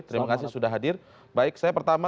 terima kasih sudah hadir baik saya pertama